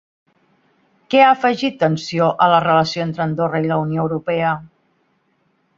Què ha afegit tensió a la relació entre Andorra i la Unió Europea?